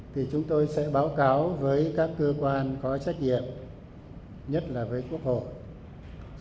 thì chúng tôi sẽ báo cáo với các cơ quan có trách nhiệm nhất là với quốc hội